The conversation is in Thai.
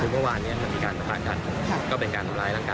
แล้วมันไปยุติเราก็เอากำลังการที่ตำรวจไปบอกไว้